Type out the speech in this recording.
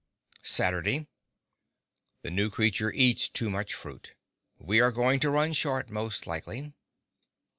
Saturday The new creature eats too much fruit. We are going to run short, most likely.